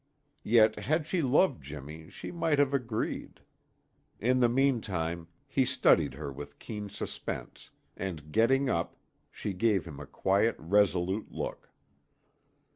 Yet had she loved Jimmy, she might have agreed. In the meantime, he studied her with keen suspense, and getting up, she gave him a quiet resolute look.